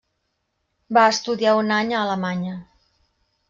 Va estudiar un any a Alemanya.